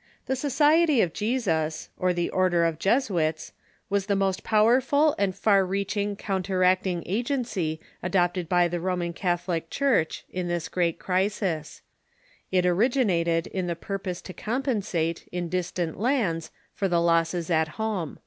] The Society of Jesus, or the Order of Jesuits, was the most powerful and far reaching counteracting agency adopted by the Roman Catholic Church in this crreat crisis. It Jesuit Order ..,.,.,. origmated m the purpose to compensate, in distant lands, for the losses at home.